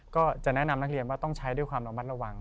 ก็จะแนะนำนักเรียนว่าต้องใช้ด้วยความระมัดระวัง